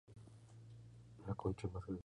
Desterrado en Buenos Aires.